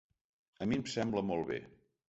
A mi em sembla molt bé.